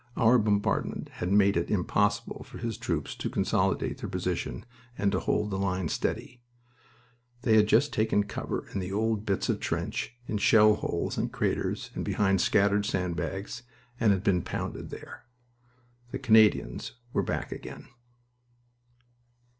Our bombardment had made it impossible for his troops to consolidate their position and to hold the line steady. They had just taken cover in the old bits of trench, in shell holes and craters, and behind scattered sand bags, and had been pounded there. The Canadians were back again.